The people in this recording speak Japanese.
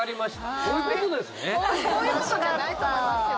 こういう事じゃないと思いますよ。